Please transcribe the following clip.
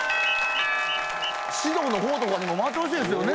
指導の方とかにも回ってほしいですよね